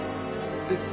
えっ？